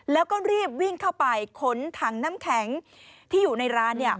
แล้วก็รีบวิ่งเข้าไปขนถังน้ำแข็งที่อยู่ในร้านเนี่ย